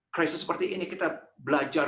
krisis seperti ini kita belajar